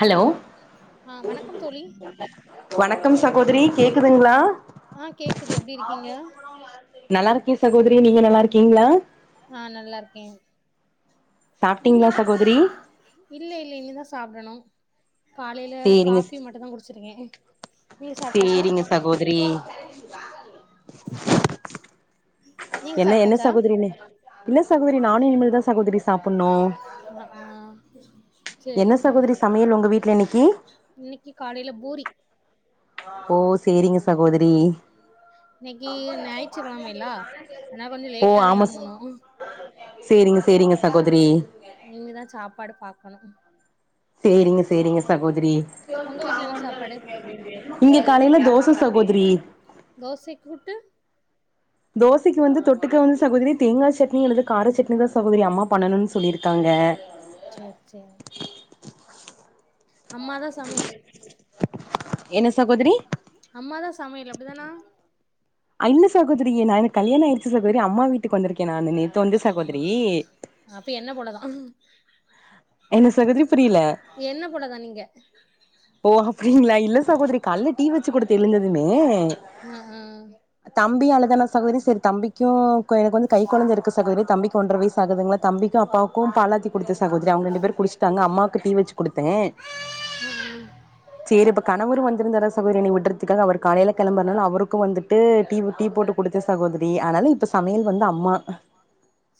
Hello ஆ வணக்கம் தோழி வணக்கம் சகோதரி கேக்குதுங்களா.. ஆ கேக்குது எப்டி அவங்க இருக்கீங்க எங்க போனாங்கன்னு யாருக்கு தெரியும் நல்லா இருக்கேன் சகோதரி நீங்க நல்லா இருக்கீங்களா ஆ சாப்டீங்களா சகோதரி?? இல்ல இல்ல இனிதான் சாப்பிடணும் காலையில சேரிங்க காபி மட்டும்தான் குடிச்சிருக்கேன் சேரிங்க சகோதரி நீங்க என்ன என்ன சாப்ட்டாச்சா சகோதரி இல்ல சகோதரி நானும் இனிமேல் தான் சகோதரி சாப்பிடணும் ஆ ஆ சேரி என்ன சேரி சகோதரி சமையல் உங்க வீட்ல இன்னைக்கு இன்னைக்கு காலைல பூரி ஓ சேரிங்க சகோதரி இன்னைக்கு ஞாயிற்று கிழமைல்ல ஆனா கொஞ்சம் ஓ லேட்டா தான் ஆமா ச எழும்பணும் சேரிங்க சேரிங்க சகோதரி இங்தான் சாப்பாடு பாக்கணும் செரிங்க செரிங்க சகோதரி உங்க வீட்ல என்ன சாப்பாடு [unintelligible] இங்க காலைல தோச சகோத்ரி தோசை கூட்டு தோசைக்கு வந்து தொட்டுக்க வந்து சகோதரி தேங்கா சட்னி அலது கார சட்னி தாங் சகோதரி அம்மா பண்ணணுனு சொல்லிருக்காங்க சேரி சேரி அம்மா தாங் சமைய்ல்- என்ன சகோத்ரி அம்மாதா சமையல் அப்டிதானா இல்ல சகோதரி நா எனக்கு கல்யாண ஆயிடுச்சு சகோதரி அம்மா வீட்டுக்கு வந்திருக்கே நானு நேத்து வந்து சகோதரி [unintelligible] அப்டி என்ன போலதாங் ம்ஹும் ன்ன சகோத்ரி என்ன போலதா நீங்க ஓ அப்ரிங்களா இல்ல சகோத்ரி கால் டீ வச்சு குடுத்தெலுந்ததுனேஎ ஆ ஆ தம்பி அழுதான சகோதரி செரி தம்பிகியு [unintelligible] எனக்கு வந்து கை கொழந்த இருக்கு சகோதரி தம்பிக்கு ஒன்றர வயசு ஆகுதுங்களா தம்பிக்கு அப்பாவுக்கு பாலாத்தி குடுத்தே சகோதரி அவுங்க ரெண்டு பேரு குடிச்டாங்க அம்மாக்கு டீ வச்சு குடுத்தே ஆ செரி அப்ப கணவரு வந்திருந்தார சகோதரி என்னைய விடுறத்துகாக அவரு காலையில கெள ரொம்ப நாள் அவருக்கு வந்துட்டு டீ ஊத்தி டீ போட்டு புடிச்ச சகோதரி அனால இப்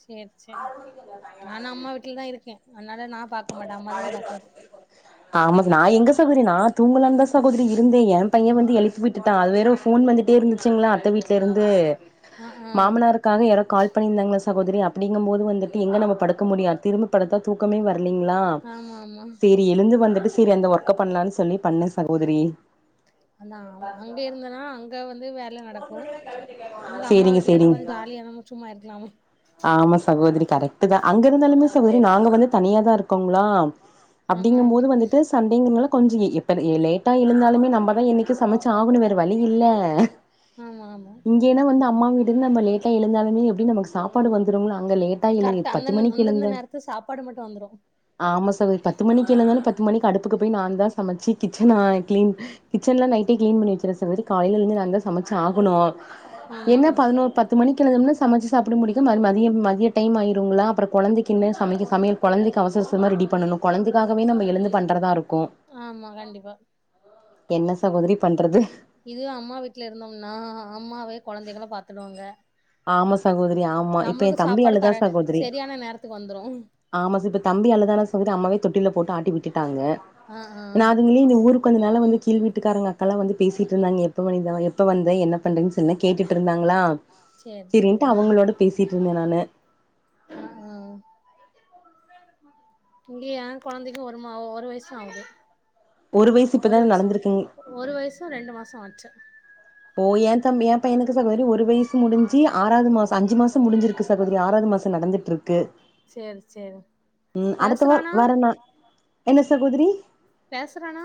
சேரி சேரி நானு அம்மா வீட்லதா இருக்கே அதனால நா பாக்க மாட்டே அம்மா தா பாக்குறது ஆமா நா எங்க சகோதரி நா தூங்கலான்தா கோதிருங்க ருந்த என் பையன் வந்து எழுப்பி விட்டுட்டா அது வேற ஃபோன் வந்துட்டே இருந்துச்சுங்ளா அத்த வீட்லருந்து ஆ ஆ மாமனாருக்காக யாரோ கால் பண்ணியிருந்தாங்க சகோதரி அப்டிங்கம்போது வந்துட்டு எங்க நம்ம படுக்க முடியா திரும்ப படுத்தா தூக்கமே வ இல்லீங்ளா ஆமா ஆமா சேரி எழுந்து வந்துட்டு சேரி அந்த ஒர்க் க்க பண்லான் சொல்லி பண்ணே சகோதரி அந்த ஆம் அங்க இருந்தனா அங்க வந் து வேல நடக்கு இங்க அம்மா சேரிங்க வீட்லனா சேரிங் கொஞ்சோ ஜாலியா நம்ம சும்மா இருக்கலாமே ஆமா சகோதரி கரெக்ட்டு தா அங்க இருந்தாலுமே சகோதரி நாங்க வந்து தனியா தா இருக்கோங்ளா ஆ ஆ அப்டிங்கும்போது வந்துட்டு சண்டேங்கரனால கொஞ்சி எப்பலே லேட்டா எழுந்தாலுமே நம்மதா இன்னைக்கு சமச்சு ஆகணுமே வேற வழி இல்ல ஆமா ஆமா இங்கென வந்து அம்மா வீ [unintelligible] நம்ம லேட்டா எழுந்தாலுமே எப்டி நமக்கு சாப் பாடு வந்துருங்களா அங்க லேட்டா எழுதி கரெக்டா அந்த பத்து மணிக்கு அந்தந்த எழுந்த நேரத்துக்கு சாப்பாடு மட்டு வந்துரு ஆமா சாமி பத்து மணிக்கு எழுந்தாலு பத் பத்து மணிக்கு அடுப்புக்கு போய் நா தா சமச்சு கிச்சன ஆ கிளீன் கிச்சன்லா நைட்டே கிளீன் பண்ணி வச்சிருவே [unintelligible] காலைல எழுந்து நா தா சமச்சு ஆகணு ஆமா என்ன பதினொரு பத்து மணிக்கு எழுந்தோன்ன சமச்சு சாப்ட முடி மதியம் மதிய டைம் ஆயிருங்களா அப்றோ குழந்தைக்கு இன்னு சமைக்க சமயல் குழந்தைக்கு அவசர அவசரமா ரெடி பண்ணணு குழந்தைக்காகவே நம்ம எழுந்து பண்றதா இருக்கு ஆமா கண்டிப்பா என்ன சகோதரி பண்றது இது அம்மா வீட்ல இருந்தோம்னா அம்மாவே குழந்தைகல பாத்துடுவாங்க ஆமா சகோத ரி ஆமா இப்ப நம்மளுக்கு என் தம்பி சாப்பாடு அழுதா கர சகோதரி சரியான நேரத்துக்கு வந்துரு ஆமா இப்ப தம்பி அழுதான சகோதரி அம்மாவே தொட்டில்ல போட்டு ஆட்டி விட் டாங்க ஆ ஆ நா அதுங்கள இந்த ஊருக்கு வந்த நால வந்து கீல் வீட்டு வீட்டுக்காரங்க அக்கால்லா வந்து பேசிட்டு இருந்தாங்க எப்ப வனிதா எப்ப வந்த என்ன பண்ற சொன்ன கேட்டுட்டு இருந்தாங்களா சேரி சேரி செரின்ட்டு ஆ அவங்களோட பேசிட்ருந்த நானு ஆ ஆ இங்க ஏ கொழந்தைக்கு ஒரு மா ஒரு வயிசுதா ஆவுது ஒரு வயசு ஒரு இப்பதான வயிசு நடந்திருக்குங் ஒ ஒரு வயிசோ ரெண்டு மாசோ ஆயி ச்ச போ ஏன் தம்பி ஏம் ப்ப எனக்கு சகோதரி ஒரு வயிசு முடிஞ்சி ஆறாது மா ப்ப அஞ்சு மாசம் முடிஞ்சிருக்கு சகோதரி ஆறாது மாசோ நடந்துட்டுருக்கு சேரி சேரிவு பேசுறானா தகோதரி பேசுறானா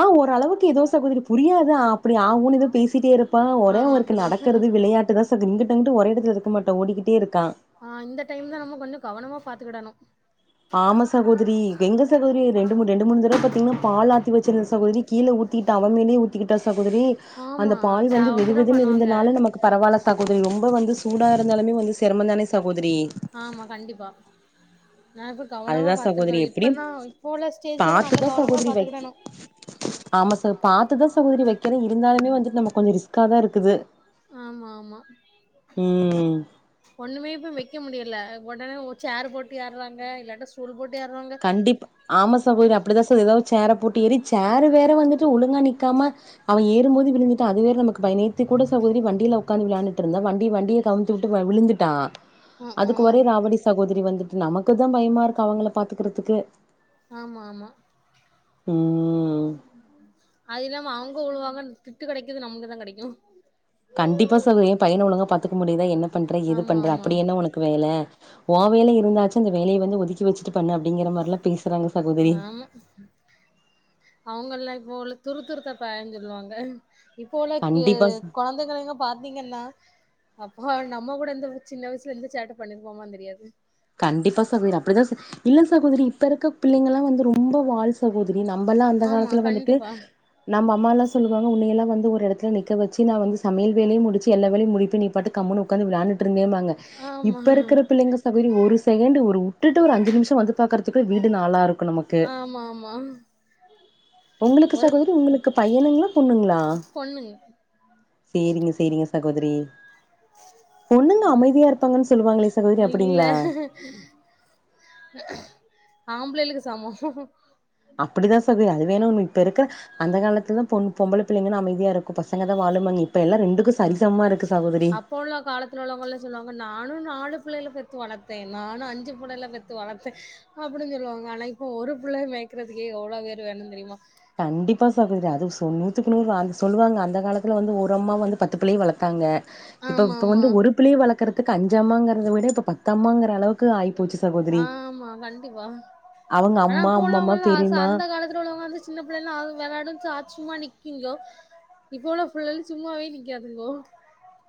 ஆ ஒரளவுக்கு ஏதோ சகோதரி புரியாத்தா ஆ அப்டி ஆவு புனிதல் பேசிட்டே இருப்பா ஆ ஒரே வொர்க் அப்டிதா நடக்கறது விளையாட்டுதா ச ங்கிட் அங்கிட்டு ஒரே எடத்துல இருக்க மாட்ட ஓடிக்கிட்டே இருக்கா ஆ இந்த டைம்ல நம்ம கொஞ்சோ கவனமா பாத்துகிடணு ஆமா சகோதிரி கெங்க சகோதரி ரெண்டு மூணு ரெண்டு மூணு தரவ பாத்தீங்னா பாலத்தி வச்சிர்ந்த சகோதரி கீழ ஊ திட்டா அவ மேலயே ஊத்திக்கிட்டா ச சகோதரீ அந்த ஆமா பால் ச வந்து அப்டிதா வெதுவெதுன்னு பண்ணுவாங்க இருந்தனால நமக்கு பரவால சகோதரி ரொம்ப வந்து தூடா இருந்தாலுமே வந்து சிரமந்தானே ச ஆமா கண்டிப்பா நா இப்ப கவனமா அதுதா பாத்துருக்கே சகோதிரி எப்பிடியு இப்பதா இப்போ உள்ள ஸ்டேஜ்ல தா நல்லா பாத்துதா கவனமா சகோதரி வை பாத்துக்கிடணு ஆமா ச பாத்துதா சகோதரி வைக்கரே இருந்தாலுமே வந்துட் நம்ம கொஞ்சோ ரிஸ்காதா இரு குது ஆமா ஆமா ம் ஒண்ணுமேப்ப வைக்க முடியல ஒடனே ஒ சேர போட்டு ஏறுவாங்க இல்லாட்ட ஸ்டூல் போட் கண்டிப்ப ஆமா சகோதரி அப்டிதா சகோதரி எதாவது சேர போட் ட்டேரிச் சேரு வேற வந்துட்டு ஒழுங்கா நிக்காம அவ ஏறும்போது விழுந்துட்டா அது வேற நமக்கு பைய நேத்திக் கூட சகோதிரி வண்டில உக்காந்து விளையாண்ட்ருந்தா வண்டி வண்டிய கமுத்தி உட்டு வ விழுந்துட்டா ம் அதுக்கு ஒரே ம் ராவடி சகோ‌ திடீ வந்துட்டு நமக்குதா பயமா இருக்கு அவங்கள பாத்துக்குறதுக்கு ஆமா ஆமா ம் அதிள்யம் மா அவுங்க உழுவாங்கன் திட்டு கெடைக்குது நம்முக்குதா கெடைக்கு கண்டிப்பா சகோதரி ஏ பையன ஒழுங்கா பாத்துக்க முடிதா என்ன பண்றே எது ஆமா பண்ற ஆமா அப்பிடி என்ன உனக்கு வேல ஓவேல இருந்தாச்சு அந்த வேலய வந்து ஒதுக்கி வச்சட்டு பண்ணு அப்டிங்கிற மாரிலா பேசி ஆமா அவ உங்கல்லா இப்ப உள்ள துரு துருத்த பய சொல்லுவாங்க இப்போல கி கண்டிப்பா கொழந்தைகங்க பாத்தீங்கன்னா அப்போ நம்ம கூட எந்த சின்ன வயசுல இந்த சேட்டை பண்ணிர்போமா தெரியாது கண்டிப்பா சகோதரி அப்டிதா இல்ல சகோதரி இப்பருக்க பிள்ளைங்களா வந்து ரொம்ப வாள் சகோதரி நம்மல்லா அந்த ஆமா காலத்துல வந்துட்டு கண்டிப்பா நம்ம அம்மால்லா சொல்லுவாங்க உன்னையல்லா வந் ஒரு எடத்து நிக்க வச்ச நா வந்து சமயல் வேலயு முடிச்சு எல்ல வேலயு முடிப்பே நீ பாட்டு கம் ஒக்காந்து விளாட்டுருந்தேமா ங்க ஆமா இப்ப இருக்கிற பிள்ளைங்க ச போயி ஒரு செகண்ட்டு ஒரு வுட்டுட்டு ஒரு அஞ்சு நிமிஷ வந்து பாக்கறதுக்கு வீடு நாளா இருக்கு நமக்கு ஆமா ஆமா உங்களுக்கு ஒரு சகோதரி உங்களுக்கு பையனுங்களா பொண்ணுங்களா பொண்ணுங்க செரிங்க செரிங்க சகோதரி பொண்ணுங்க அமைதியா இருப்பாங்கன்னு சொல்லுவாங்களே சகோதரி இல்ல அப்டிங்களா ஆம்பளைளுக்கு சமோ அப்படிதா சகோதரி அது வேணுனு இப்ப இருக்க அந்த காலத்துதா பொ பொம்பள புள்ளைங்க அமைதியா இருக்கு பசங்கதா வாழமாமே ம் அப்போ உள்ள காலத்துல உள்ளவங்கல்லா சொல்லுவாங்க நானு நாள் இந்த பிள்ளல பெத்து வளத்தே நானு அஞ்சிப்புள்ளைகல பெத்து வளர்த்தே அப்டி சொல்லுவாங்க ஆனா இப்ப ஒரு புள்ள மேய்கறதுக்கே எவ்லோ பேறு வேணு தெரியுமா கண்டிப்பா சகோதரி அது நூத்துக்கு நூறு சொல்லுவாங்க அந்த காலத்துல வந்து ஓரம்மா வந்து பத்து பிள்ளய வளத்தாங்க இப்ப ஆமா இப்ப ஆமா வந்து ஒரு பிள்ளைய வளக்கறதுக்கு அஞ்சம்மாங்கிறத விட இப்ப பத்தம்மாங்கிற அளவுக் ஆமா கண்டிப்பா அவங்க ஆனா அம்மா இப்ப அம்மம்மா உள்ளவங்க லா பெரியம்மா அந்த காலத்துல உள்ளவங்க வந்து சின்ன பிள்ளைல்லா விளான்னனு சா சும்மா நிக்கிங்கோ இப்பல புல்லல்ல சும்மாவே நிக்காதுங்கோ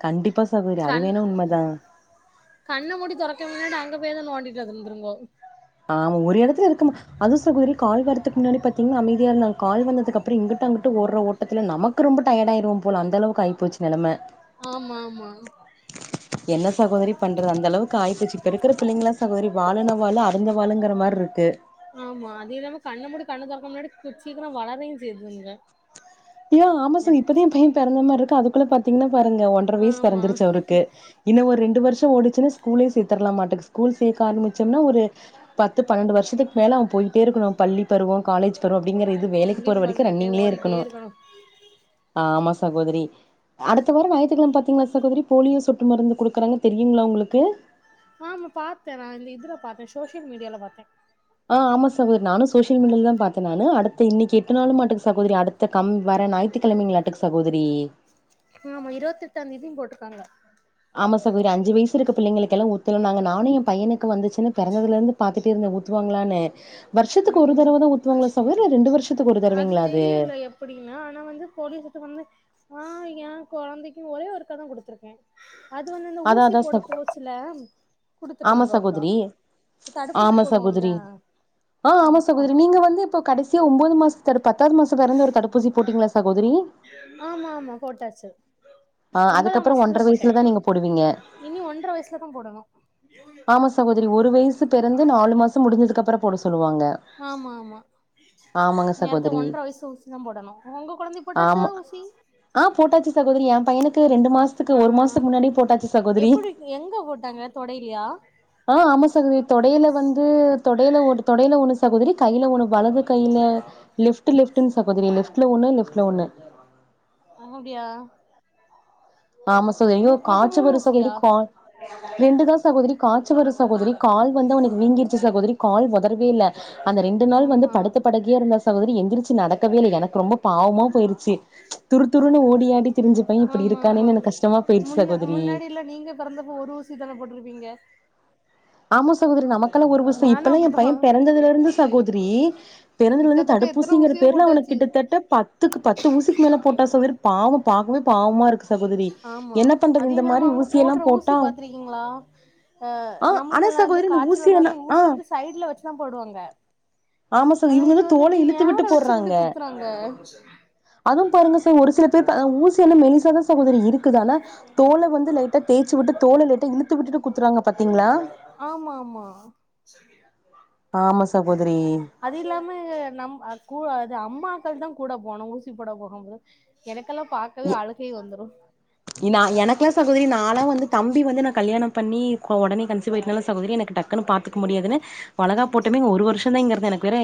கண்டிப்பா சகோரி அது கண் வேணா உண்மதா கண்ண மூடி தொறக்க முன்னாடி அங்க போய் தா நோண்டிட்டு இருந்துருங்கோ ஆமா ஒரு எடத்துல இருக்கு அது சகோதரி கால் வரதுக்கு முன்னாடி பாத்தீங்கன்னா அமைதியா இருந்தா நா கால் வந்தது அப்புற இங்க அங்கட்டு ஓற ஓட்டத்துல நமக்கு ரொம்ப யர்ட் ஆயிரோ போல அந்த அளவுக்கு ஆய்ப்போச்சி நலம ஆமா ஆமா என்ன சகோதரி பண்றது அந்த அளவுக்கு ஆய்ப்பொச்சி இருக்குற பிள்ளங்களா சகோதரி வாலுனா வாலு அப் கொஞ்ச வாலுங்கிற மார்ருக்கு ஆமா அதே இல்லாம கண்ண முடி கண்ணு தொறக்க முன்னாடி சீக்கிர வளரையு செய்யதுங்க தியா ஆமா சார் இப்பதா பைய பெறந்த மார்ருக் அதுக்குள்ள பாத்தீங்னா பாருங்க ஒன்றர வய்சு ஆமா பெறந்துருச்சு அவருக்கு இன்ன ஒரு ரெண்டு வர்ஷ்மா ஓடிச்சு ஸ்கூலே சேர்தரலாமாட்டுக்கு ஸ்கூல் சேக்க ஆர்மிச்சம்னா ஒரு பத்து பன்னெண்டு வர்ஷத்துக் மேல அவ போயிட்டே இருக்னு பள்ளி பருவோ காலேஜ் பருவ டிங்கிற இது வேலக் முடி போற வரக்கு போட்டுட்டே ரன்னிங்லே ஓடிட்டே இருக்கனு இருக்கணு ஆமா சகோதரி அடுத்த வார ஞாயித்துகெழம பாத்தீங்களா சகோதரி போலியோ சொட்டு மருந்து குடுக்குறாங்க தெரியுங்ளா உங்ளுக்கு ஆமா பாத்த நா இந்த இதுல பாத்த சோசியல் மீடியால பாத்தே அ ஆமா சகோதரி நானு சோசியல் மீடியாலதா பாத்த நானு அடுத்த இன்னைக்கு எட்டு நாளுமாடுங்குது சகோதரி அடுத்த கம் வர ஞாயிற்றுக்கிழமங்களாட்டுக் சகோதுரி ஆமா இருவத்தெட்டாதேதி போட்ருக்காங்க ஆமா சகோதரி அஞ்சு வயசு இருக்க பிள்ளைங்க கேல்லா ஊத்துருன்னாங்க நானு ஏ பையனுக் க்கு வந்துச்சின் பெறந்ததுலேருந்து இருந்து பாத்துடேருந்த துருவாங்ளான்னு ம் ம் இல்ல ரெண்டு வருஷத்துக்கு ஒரு அது தடவைங்களா தெரியல எப்புடின்னு ஆனா வந்து போலீஸுட்டு வந்து ஆ ஏ கொழந்தைக்கு ஒரே ஒருக்கா தா குடுத்திருக்கே அது வந்து இந்த அதா ஊசி அதா போட சகோ போச்சுல ஆமா குடுத்துருக்காங்க ஒருக்கா சகோதரி தடுப்பூசி ஆமா போடுவம்ல சகோதரி ஆ ஆமா சகோதரி நீங்க வந்து இப்போ கடசியா ஒம்போது மாச பத்தாவது மாசத்துல பெறந்து ஒரு தடுப்பூசி போட்டீங்ளா சகோதரி ஆ ஒன்பதா அதுக்கப்புற மாசத்துல ஒன்றரை போட்ட வயசுல தா நீங்க போடுவீங்க இனி ஒன்ற வய்ஸ்லதா போடணு ஆமா சகோதரி ஒரு வய்சு பிறந்து நாலு மாச முடிஞ்சதுக்கு அப்ற ஹாமாமா ஆமாங்க நேர்த்த சகோதரி ஒன்றர வய்சு ஊசிதா போடணு ஒங்க கொழந்தைக் போட்டாச்சா ஆமா ஊசி ஆ போட்டாச்சு சகோதரி என் பையனுக்கு ரெண்டு மாசத்துக்கு ஆ ஒரு ஆ மாசத்துக்கு முன்னாடி போட்டாச்சு சகோதரி எப்டி எங்க போட்டாங்க தொடையிலயா அ ஆமா சகோதரி தொடைல வந்து தொடைல ஒடு தொடைல ஒன்னு சகோதரி கைல ஒன்னு வலது கையில லெப்ட் லெஃப்டுன் சகோதரி லெஃப்ட்ல ஒன்னு லெப்ட்ல ஒன்னு அப்டியா ஆமா சகோதரி ஐயோ மூ மொத்த காய்ச மூணு வரு சகோதரி ஊசியா கா ரெண்டு நாள் சகோதரி காச்சி வருது சகோதரி கால் வந்து அவனுக்கு வீங்கிருச்சு சகோதரி கால் வந் தருவீல்ல அந்த ரெண்டு நாள் வந்து ஆமா படுத்த படுக்கையா இருந்தா சகோதரி எந்திரிச்சு நடக்கவே இல்ல எனக்கு ரொம்ப பாவமா போயிருச்சு துரு துருனு ஓடியாடி திரிஞ்ச பைய இப்புடி ஆமா இருக் ஆமா முன்ன முன்னாடி எல்லா நீங்க பெறந்தப்ப ஒரு ஊசி தான போட்ருப்பீங்க ஆமா சகோதுரி நமக்கெல்லா ஒரு வர்ஷ நானு இப்பல்லா ஏ பைய அப்டித்தா பெறந்ததுல இருந்து சகோதுரி பிறந்ததுலருந்து கிட்டத்தட்ட எத்தன தடுப்பூசிங்கிற ஊசியோ பேருல அவனுக் போட்டாச்சு கிட்டத்தட்ட பத்துக்கு பத்து ஊசிக்கு மேல போட்டாச்சு வெரு பாவோ பாக்கவே பாவமா இருக்கு சகோதரி ஆமா என்ன பண்றது அது இந்த இல்லாம மாரி அவுங்க ஊசியெல்லா போட்ற ஊசி போட்டா பாத்திருக்கீங்களா அ ஆ ஆனா சகோதரி இந்த ஊசியால ஆ சைட்ல வச்சுதா போடுவாங்க ஆமா சகோ ஆனா இவுங்க இது தா வந்து தோல இப்டி இழுத்து விட்டு நேரா வச்சு இப்டி போட்றாங்க குத்துறாங்க அதுவு பாருங்க ச ஒரு சில பேர் ப அ ஊசியாலே மெலிசா தா சகோதரி இருக்குது ஆனா தோல வந்து லைட்டா தேய்சு விட்டு தோல லைட்டா இழுத்து விட்டுட்டு குத்துறாங்க பாத் ஆமா ஆமா ஆமா ச அது இல்லாம நம் கு அது அம்மாக்கள் தா கூட போனு ஊசி போட போகும்போது எனக் எ இ நா எனக்லா சகோதரி நாலா வந்து தம்பி வந்து நா கல்யாண பண்ணி கொ உடனே கன்சீவ் ஆயிட்டனால சகோதரி எனக்கு டக்குன்னு பாத்துக்க முடியாதுனு வளகாப் போட்டுமே இங்க ஒரு வருஷோ தா இங்க இருந்தே எனக்கு வேற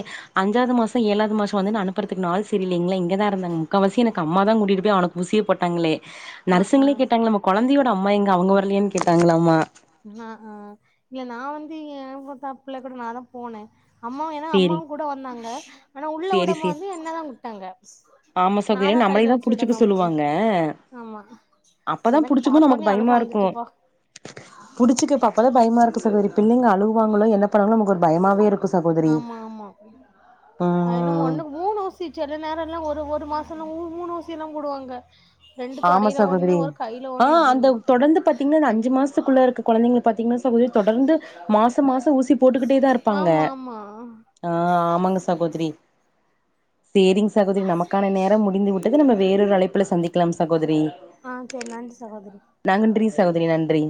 அஞ்சாவது மாசோ ஏழாவது மாசோ வந்து நா அனுப்புறதுக்கு நாள் செரியில்லைங்களா இங்க தா இருந்தேங் முக்காவாசி எனக்கு அம்மா தா கூட்டிட்டு போய் அவனுக் ஊசி போட்டாங்களே ஆ ஆ நர்சுங்களே கேட்டாங்க நம்ம கொழந்தையோட அம்மா இங்க அவுங்க வரலையான் கேட்டாங்களாம்மா ஆ ஆ இல்ல நா வந்து இங்க [unintelligible] கூட நா தா போனே அம்மாவு ஏனா சேரி அம்மாவு கூட வந்தாங்க ஆனா உள்ள வுடு சேரி சேரி போது என்னதா கூப்ட்டாங்க ஆமா சகோதி ஏனா நம்மலை தா புடிச்சுக்க அப்டின்னு சொல்லுவாங்க ஆமா அப்பதா எனக்கு புடிச்சி போய் பாத்தோனே நமக்கு அழுக பயமா இருக்கு வந்துட்டுப்பா புடிச்சுக்கப் பாப்பதா பயமா இருக்கு சகோதரி பிள்ளைங்க அழுகுவாங்களோ என்ன பண்ணாங்களோ நமக்கு ஒரு பயமாவே இருக்கு சகோதரி ஆமா ஆமா அது என்னமோ ம் ஒண்ணுக்கு மூணு ஊசி சில நேரம்லா ஒரு மாசோல்லா மூ மூணு ஊசில்லா போடுவாங்க ரெண்டு ஆமா தொடையில ஒண்ணு சகோதரி ஒரு கையில ஆ ஒண்ணு அந்த அப்டின்னு தொடர்ந்து பாத்தீங்கனா அஞ்சு மாச சக்குள்ள இருக்க கொழந்தைங்கள பாத்தீங்கனா சகோதரி தொடர்ந்து மாச மாச ஊசி போட்டுக்கிட்டே தா இருப்பாங்க ஆமா ஆமா ஆ ஆமாங்க சகோதரி சேரிங் சகோதரி நமக்கான நேரம் முடிந்து விட்டது நம்ம வேறொரு அழைப்புல சந்திக் க்லம் சகோதரி ஆ செரி நன்றி சகோதரி நாங்க றி சகோதரி நன்றி